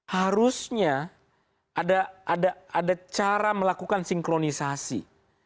harusnya ada cara melakukan sinkronisasi